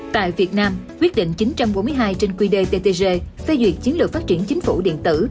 tại việt nam quyết định chín trăm bốn mươi hai trên quy đề ttg phê duyệt chiến lược phát triển chính phủ điện tử